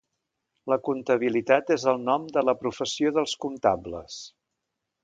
La comptabilitat és el nom de la professió dels comptables.